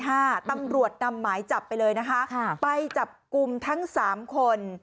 ตำรวจนำหมายจับไปเลยนะคะไปจับกลุ่มทั้งสามคน